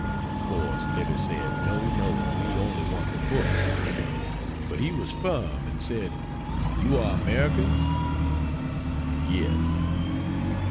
Of course Livy said "No no we only want the book;" but he was firm, and said, "You are Americans?" "Yes."